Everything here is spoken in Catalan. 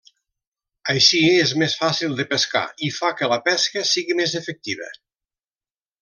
Així és més fàcil de pescar i fa que la pesca sigui més efectiva.